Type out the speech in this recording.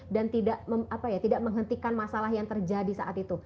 dan tidak menghentikan masalah yang terjadi saat itu